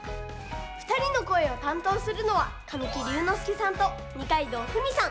ふたりのこえをたんとうするのは神木隆之介さんと二階堂ふみさん。